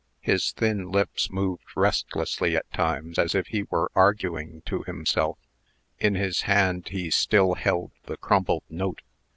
His thin lips moved restlessly at times, as if he were arguing to himself. In his hand he still held the crumpled note.